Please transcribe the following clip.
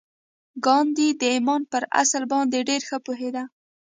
ګاندي د ایمان پر اصل باندې ډېر ښه پوهېده